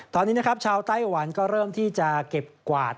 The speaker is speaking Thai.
ตอนนี้นะครับชาวไต้หวันก็เริ่มที่จะเก็บกวาด